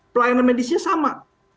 pelayanan medisnya sama